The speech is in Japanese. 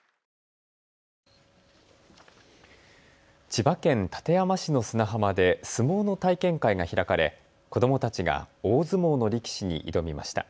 千葉県館山市の砂浜で相撲の体験会が開かれ子どもたちが大相撲の力士に挑みました。